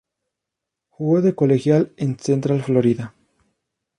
Jugó de colegial en Central Florida.